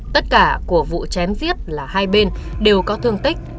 tất cả của vụ chém giết là hai bên đều có thương tích